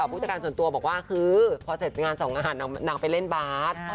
ผมส่วนตัวบอกว่าคือพอเสร็จงานสองงานนางไปเล่นบาร์ส